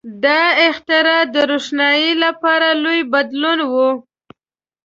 • دا اختراع د روښنایۍ لپاره لوی بدلون و.